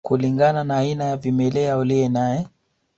Kulingana na aina ya kimelea uliye naye